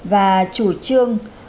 và chủ trương